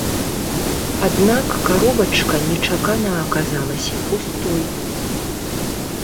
Аднак, каробачка нечакана аказалася пустой.